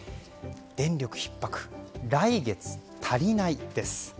電力ひっ迫、来月足りないです。